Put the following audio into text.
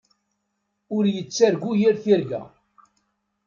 Ur tettargu yir tirga.